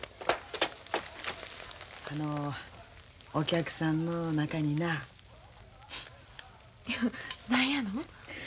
あのお客さんの中にな。何やの？